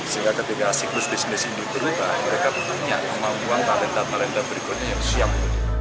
sehingga ketika siklus bisnis ini berubah mereka punya yang mau buang kalenda kalenda berikutnya yang siap